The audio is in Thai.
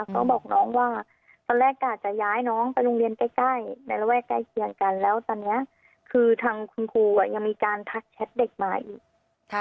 ก็บอกน้องว่าตอนแรกกะจะย้ายน้องไปโรงเรียนใกล้ในระแวกใกล้เคียงกันแล้วตอนนี้คือทางคุณครูยังมีการทักแชทเด็กมาอีก